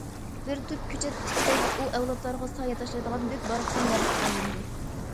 بىر تۈپ كۆچەت تىكسەك ئۇ ئەۋلادلارغا سايە تاشلايدىغان بۈك- باراقسان دەرەخكە ئايلىنىدۇ.